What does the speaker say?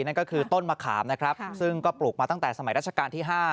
นั่นก็คือต้นมะขามนะครับซึ่งก็ปลูกมาตั้งแต่สมัยราชการที่๕